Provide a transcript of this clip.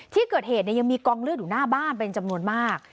ที่เกิดเหตุยังมีกองเลือดอยู่หน้าบ้านเป็นจำนวนมาก